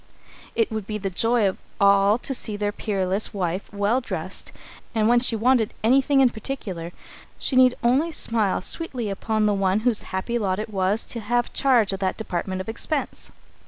It would be the joy of all of them to see their peerless wife well dressed, and when she wanted anything in particular, she need only smile sweetly upon the one whose happy lot it was to have charge of that department of expense.